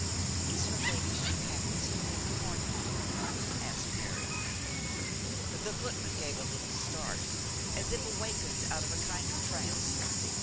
'Is her ladyship having tea in the morning room?' asked Mary. The footman gave a little start, as if awakened out of a kind of trance.